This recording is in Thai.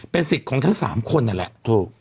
เป็นสิทธิ์ของทั้ง๓คนนั่นแหละถูก